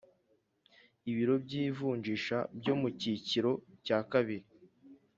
Ibiro by ivunjisha byo mu cyicyiro cya kabiri